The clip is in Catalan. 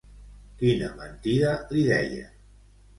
Quina mentida li deia?